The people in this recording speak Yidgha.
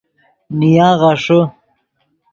نیا غیݰے